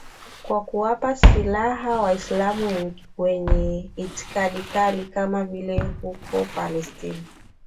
kwa kuwapa silaha Waislamu wenye itikadi kali kama vile huko Palestina